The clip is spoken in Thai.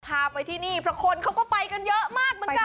พาไปที่นี่เพราะคนเขาก็ไปกันเยอะมากเหมือนกัน